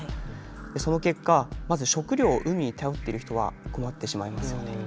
その結果まず食料を海に頼っている人は困ってしまいますよね。